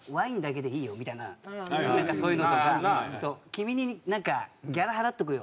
「君にギャラ払っとくよ」。